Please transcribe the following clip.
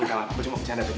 aku cuma bercanda tadi